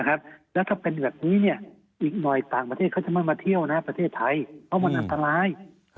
แล้วถ้าเป็นแบบนี้อีกหน่อยต่างประเทศเขาจะไม่มาเที่ยวประเทศไทยเพราะมันอันตราย